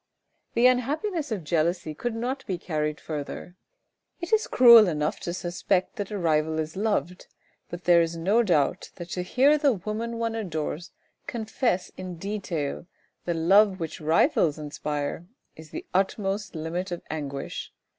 The unhappiness of jealousy could not be carried further. It is cruel enough to suspect that a rival is loved, but there is no doubt that to hear the woman one adores confess in detail the love which rivals inspires, is the utmost limit of anguish.